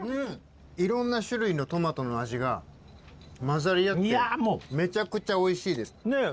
いろんな種類のトマトの味が混ざり合ってめちゃくちゃおいしいです。